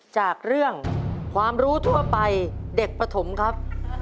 จากเรื่องความรู้ทั่วไปเด็กปฐมครับ